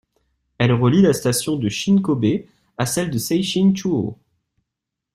Elle relie la station de Shin-Kobe à celle de Seishin-Chūō.